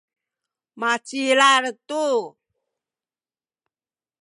macilal tu.